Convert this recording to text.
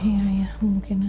ya ya mungkin aja ya